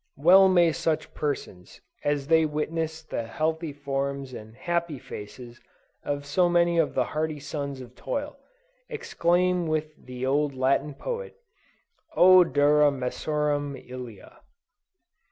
Well may such persons, as they witness the healthy forms and happy faces of so many of the hardy sons of toil, exclaim with the old Latin poet, "Oh dura messorum illia!"